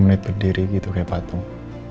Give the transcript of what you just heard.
lima menit berdiri gitu kayak patung